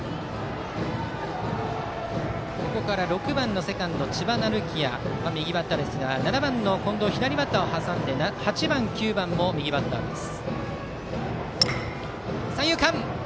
ここから６番のセカンド知花琉綺亜右バッターですが７番の近藤、左バッターを挟んで８番、９番も右バッターです。